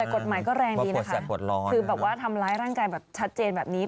แต่กฎหมายก็แรงดีนะคะคือแบบว่าทำร้ายร่างกายแบบชัดเจนแบบนี้